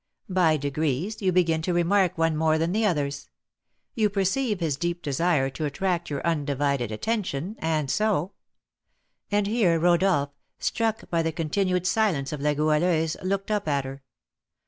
By degrees you begin to remark one more than the others; you perceive his deep desire to attract your undivided attention, and so " And here Rodolph, struck by the continued silence of La Goualeuse, looked up at her.